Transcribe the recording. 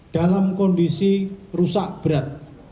dalam kondisi rusak berat